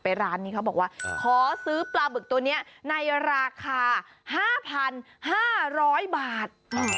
ร้านนี้เขาบอกว่าขอซื้อปลาบึกตัวนี้ในราคา๕๕๐๐บาท